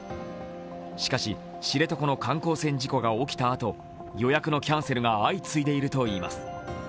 しかし、知床の観光船事故が起きたあと、予約のキャンセルが相次いでいるといいます。